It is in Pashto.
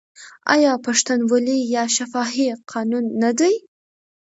آیا پښتونولي یو شفاهي قانون نه دی؟